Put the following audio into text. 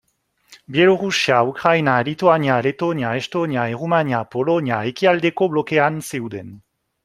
Bielorrusia, Ukraina, Lituania, Letonia, Estonia, Errumania, Polonia ekialdeko blokean zeuden.